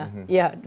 sudah boleh dilihat